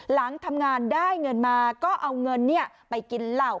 หลังทำงานได้เงินมาก็เอาเงินไปกินเหล้า